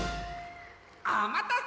おまたせ！